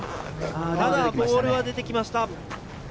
だがボールは出てきました。